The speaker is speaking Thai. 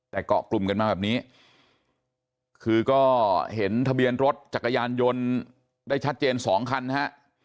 แต่เกาะกลุ่มกันมาแบบนี้คือก็เห็นทะเบียนรถจักรยานยนต์ได้ชัดเจนสองคันฮะ